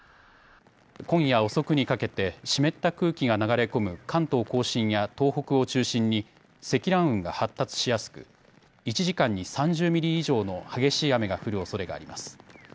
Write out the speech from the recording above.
今夜遅くにかけて湿った空気が流れ込む関東甲信や東北を中心に積乱雲が発達しやすく１時間に３０ミリ以上の激しい雨が降るおそれがあります。